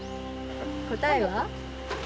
答えは？